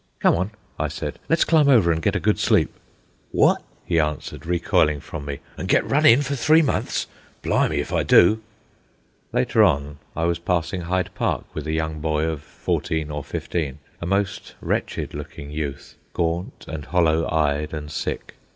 "Come on," I said. "Let's climb over and get a good sleep." "Wot?" he answered, recoiling from me. "An' get run in fer three months! Blimey if I do!" Later on I was passing Hyde Park with a young boy of fourteen or fifteen, a most wretched looking youth, gaunt and hollow eyed and sick.